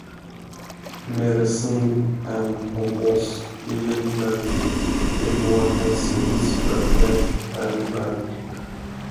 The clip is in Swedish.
Mera synd än om oss, vi lider det vår hänsynsfullhet är värd.